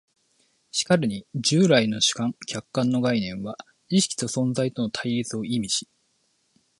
しかるに従来の主観・客観の概念は意識と存在との対立を意味し、